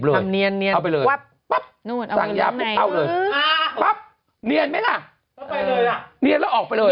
โอ้หน้าเห็นชัดปั๊บน่าจะทำเนียนปั๊บเนียนไหมล่ะเนียนแล้วออกไปเลย